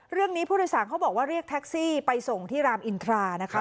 เรื่องนี้ผู้โดยสารเขาบอกว่าเรียกแท็กซี่ไปส่งที่รามอินทรานะคะ